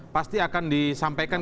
pasti akan disampaikan